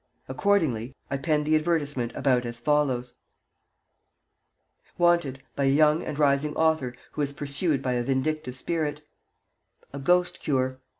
Accordingly, I penned the advertisement about as follows: WANTED, by a young and rising author, who is pursued by a vindictive spirit, A GHOST CURE.